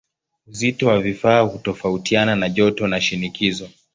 Uzito wa vifaa hutofautiana na joto na shinikizo.